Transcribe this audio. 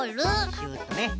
シュッとね。